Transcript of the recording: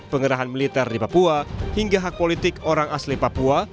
pengerahan militer di papua hingga hak politik orang asli papua